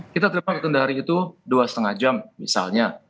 kita terima kendari itu dua lima jam misalnya